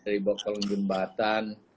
dibawa kolong jembatan